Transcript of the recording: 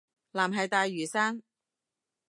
藍係大嶼山